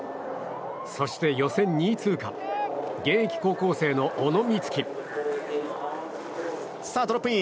そして予選２位通過現役高校生の小野光希。